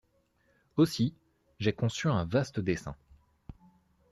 Aussi, j’ai conçu un vaste dessein…